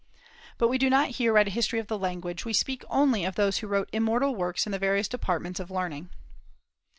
But we do not here write a history of the language; we speak only of those who wrote immortal works in the various departments of learning.